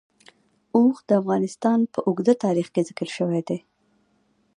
اوښ د افغانستان په اوږده تاریخ کې ذکر شوی دی.